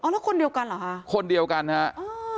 แล้วคนเดียวกันเหรอ